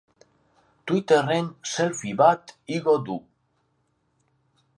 Twitterren selfie bat igo du.